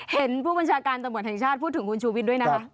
เห็นผู้บัญชาการตะหมดธรรมชาติพูดถึงคุณชุวิตด้วยนะครับ